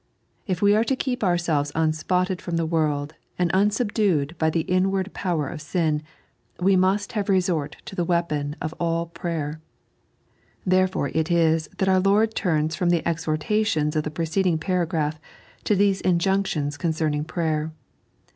And if we are to keep ourselves unspotted from the world, and unsubdued by the inward power of sin, we must have resort to the weapon of All Prayer. Therefore it is that our Lord turns from the exhortations of the preceding paragraph to these injunctions concerning prayer.